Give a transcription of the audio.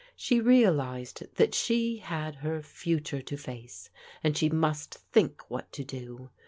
She realized that she had her fu ture to face, and she must think what to do.